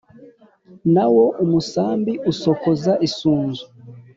na wo umusambi usokoza isunzu :